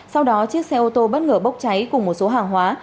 sau đó chiếc xe ô tô bất ngờ bốc cháy cùng một số hàng hóa